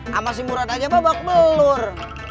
sama si murad aja babak belur